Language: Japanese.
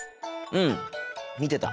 うん見てた。